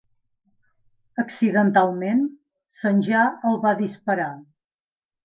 Accidentalment, Sanjar el va disparar.